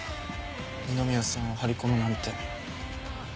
二宮さんを張り込むなんて。